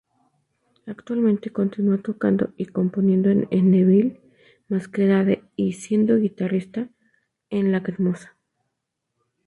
Actualmente continua tocando y componiendo en Evil Masquerade y, siendo guitarrista en Lacrimosa